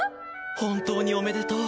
本当におめでとう。